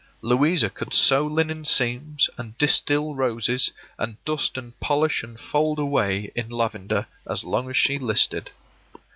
Louisa could sew linen seams, and distil roses, and dust and polish and fold away in lavender, as long as she listed.